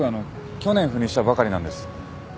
去年赴任したばかりなんです。